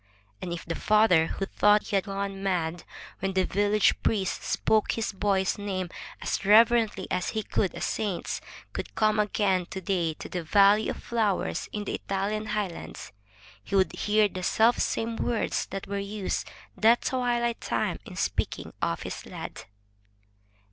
And if the father who thought he had gone mad when the village priest spoke his boy's name as reverently as he would a saint's, could come again to day to the valley of flowers in the Italian highlands, he would hear the selfsame words that were used that twilight time in speaking of his lad.